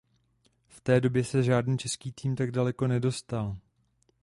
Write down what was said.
V té době se žádný český tým tak daleko nedostal.